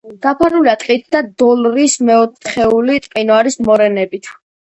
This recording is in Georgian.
დაფარულია ტყით და დოლრის მეოთხეული მყინვარის მორენებით.